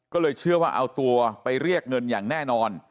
ก็เลยเชื่อว่าเอาตัวไปเรียกเงินอย่างแน่นอน